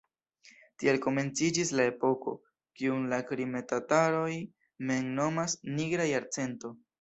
Tiel komenciĝis la epoko, kiun la krime-tataroj mem nomas "Nigra jarcento".